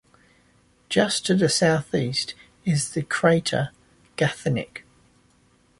Just to the southeast is the crater Guthnick.